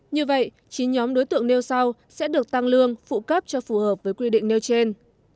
như vậy chín nhóm đối tượng nêu sau sẽ được tăng lương phụ cấp cho phù hợp với quy định nêu trên